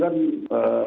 kita harus mengawal